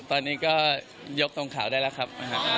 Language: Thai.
ตอนนี้ก็ยกทรงขาวได้แล้วครับ